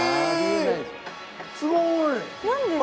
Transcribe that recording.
すごい。